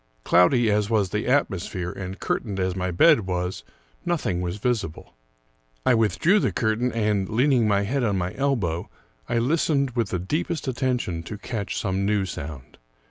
Cloudy as was the atmosphere, and curtained as my bed was, nothing was visible. I withdrew the curtain, and, leaning my head on my elbow, I listened with the deepest attention to catch some new sound.